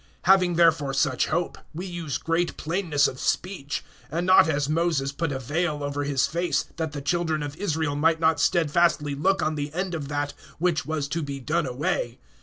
(12)Having therefore such hope, we use great plainness of speech; (13)and not as Moses put a vail over his face, that the children of Israel might not steadfastly look on the end of that which was to be done away.